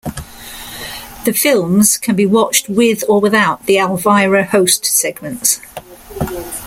The films can be watched with or without the Elvira host segments.